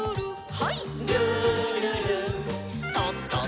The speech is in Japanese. はい。